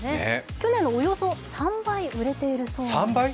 去年のおよそ３倍売れているそうです。